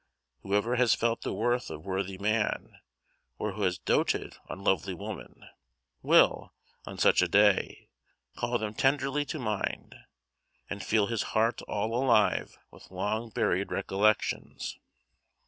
Whoever has felt the worth of worthy man, or has doted on lovely woman, will, on such a day, call them tenderly to mind, and feel his heart all alive with long buried recollections.